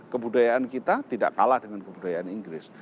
kebudayaan kita tidak kalah dengan kebudayaan inggris